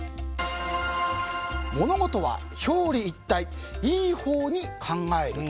物事は表裏一体良いほうに考える。